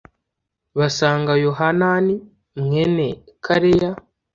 basanga Yohanani mwene Kareya